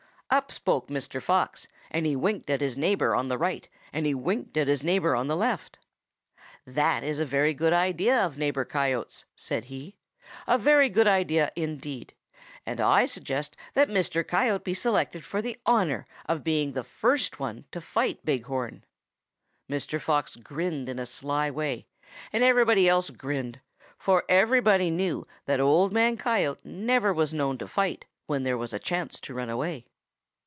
"Up spoke Mr. Fox and he winked at his neighbor on the right and he winked at his neighbor on the left. 'That is a very good idea of Neighbor Coyote's,' said he, 'a very good idea indeed, and I suggest that Mr. Coyote be selected for the honor of being the first one to fight Big Horn.' Mr. Fox grinned in a sly way, and everybody else grinned, for everybody knew that Old Man Coyote never was known to fight when there was a chance to run away.